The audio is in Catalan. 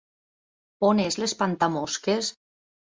On és l'espantamosques?